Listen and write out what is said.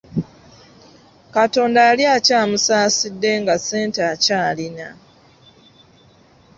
Katonda yali akyamusaasidde nga ssente akyalina.